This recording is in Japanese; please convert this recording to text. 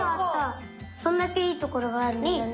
そんだけいいところがあるんだよね。